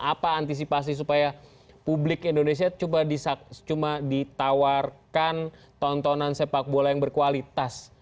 apa antisipasi supaya publik indonesia cuma ditawarkan tontonan sepak bola yang berkualitas